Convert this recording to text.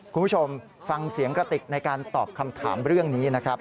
คุณผู้ชมฟังเสียงกระติกในการตอบคำถามเรื่องนี้นะครับ